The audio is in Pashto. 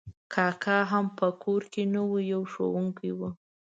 کاکا هم په کور نه و، یو ښوونکی و.